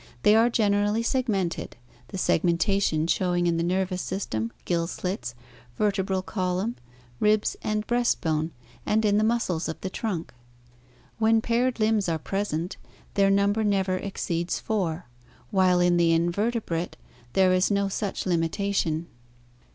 They are generally segmented, the segmentation showing in the nervous system, gill slits, vertebral column, ribs and breast bone, and in the muscles of the trunk. When paired limbs are present, their number never exceeds four, while in the invertebrate there is no such limitation.